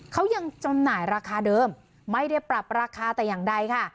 เขายังจำหน่ายราคาเดิมไม่ได้ปรับราคาแต่อย่างใดค่ะ